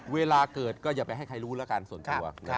เวลาเกิดก็อย่าไปให้ใครรู้แล้วกันส่วนตัว